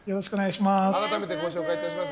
改めてご紹介します。